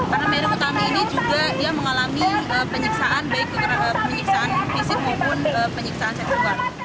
karena mary utami ini juga dia mengalami penyiksaan baik penyiksaan fisik maupun penyiksaan seksual